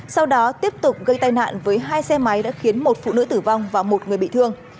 sau đó tiếp tục gây tai nạn với hai xe máy đã khiến một phụ nữ tử vong và một người bị thương